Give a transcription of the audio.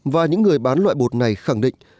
và những người bán loại bột này khẳng định